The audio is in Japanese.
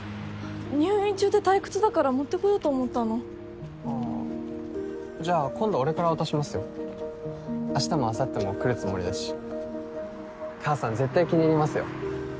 入院中って退屈だから持ってこようと思ったのあじゃあ今度俺から渡しますよ明日も明後日も来るつもりだし母さん絶対気に入りますよ